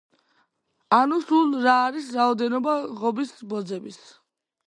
ანუ, სულ რა არის რაოდენობა ღობის ბოძების?